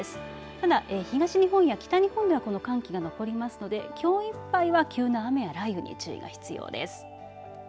ただ、東日本や北日本ではこの寒気が残りますのできょういっぱいは急な雨雷雨に注意が必要です。